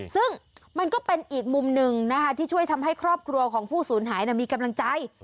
ซึ่งมันก็เป็นอีกมุมหนึ่งนะคะที่ช่วยทำให้ครอบครัวของผู้สูญหายมีกำลังใจ